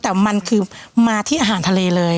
แต่มันคือมาที่อาหารทะเลเลย